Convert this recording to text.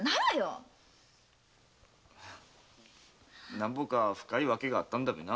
なんぼか深い訳があっただべな。